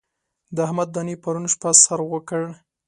د احمد دانې پرون شپه سر وکړ.